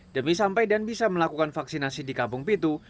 demi sampai dan bisa melakukan vaksinasi di kampung pitu